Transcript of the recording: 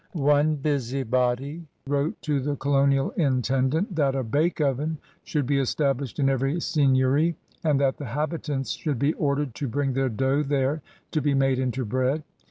One busybody wrote to the colonial Intendant that a bake oven should be established in every seigneury and that the habitants should be ordered to bring their dough there to be made into bread.